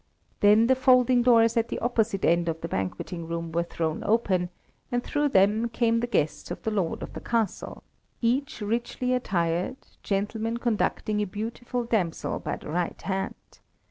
Then the folding doors at the opposite end of the banqueting room were thrown open, and through them came the guests of the lord of the castle, each richly attired gentleman conducting a beautiful damsel by the right hand.